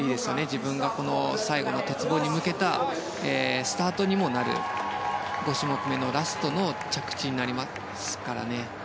自分がこの最後の鉄棒に向けたスタートにもなる５種目めのラストの着地になりますからね。